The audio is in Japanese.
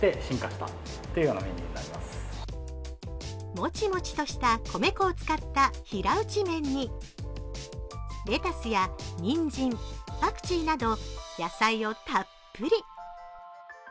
モチモチとした米粉を使った平打ち麺にレタスやニンジン、パクチーなど野菜をたっぷり。